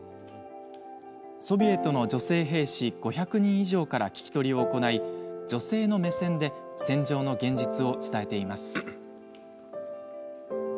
ソビエトの女性兵士５００人以上から聞き取りを行い女性の目線で戦場の現実を伝えています。